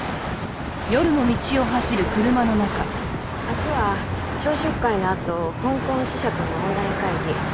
明日は朝食会のあと香港支社とのオンライン会議。